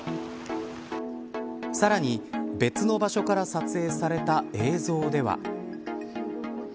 さらに、別の場所から撮影された映像では。